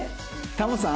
タモさん？